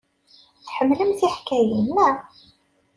Tḥemmlem tiḥkayin, naɣ?